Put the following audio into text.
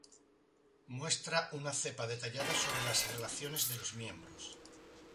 Muestra una cepa detallada sobre las relaciones de los miembros.